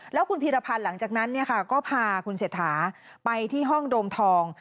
แล้วคุณพีรพันธ์หลังจากนั้นก็พาคุณเศรษฐาไปที่ห้องโดมทอง